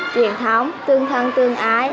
truyền thống tương thân tương ái